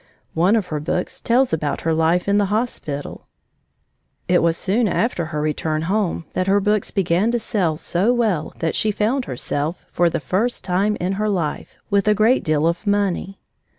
One of her books tells about her life in the hospital. It was soon after her return home that her books began to sell so well that she found herself, for the first time in her life, with a great deal of money.